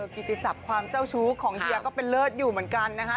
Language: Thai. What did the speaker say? กิติศัพท์ความเจ้าชู้ของเฮียก็เป็นเลิศอยู่เหมือนกันนะคะ